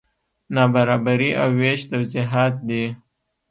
نابرابري او وېش توضیحات دي.